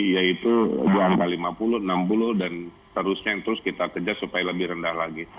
yaitu di angka lima puluh enam puluh dan seterusnya yang terus kita kejar supaya lebih rendah lagi